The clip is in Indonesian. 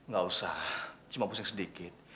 gak usah cuma pusing sedikit